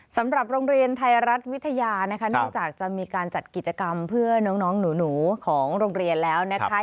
สำหรับโรงเรียนไทยรัฐวิทยานะคะนอกจากจะมีการจัดกิจกรรมเพื่อน้องหนูของโรงเรียนแล้วนะคะ